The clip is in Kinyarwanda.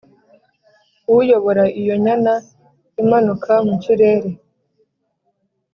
uyobora iyo nyana imanuka mu kirere,